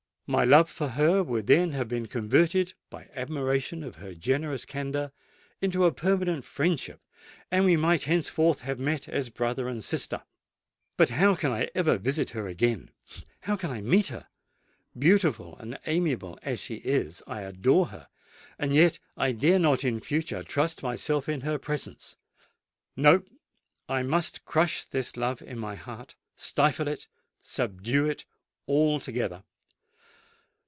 My love for her would then have been converted, by admiration of her generous candour, into a permanent friendship; and we might henceforth have met as brother and sister. But how can I ever visit her again? how can I meet her? Beautiful and amiable as she is, I adore her;—and yet I dare not in future trust myself in her presence! No:—I must crush this love in my heart—stifle it—subdue it altogether!